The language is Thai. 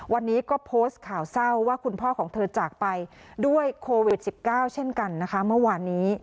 วันนี้ก็โพสต์ข่าวเศร้าว่าคุณพ่อของเธอจากไปด้วยโควิด๑๙เช่นกันนะคะเมื่อวานนี้